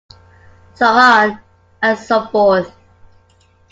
So on and so forth.